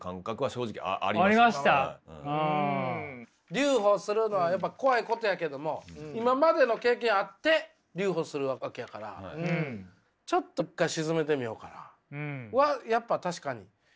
留保するのは怖いことやけども今までの経験あって留保するわけやからちょっと一回沈めてみようかなはやっぱ確かに必要なことかもしれん。